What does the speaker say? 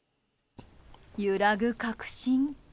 揺らぐ確信。